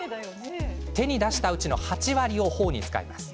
手に出したうちの８割をほおに使います。